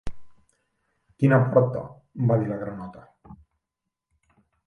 "Quina porta?", va dir la granota.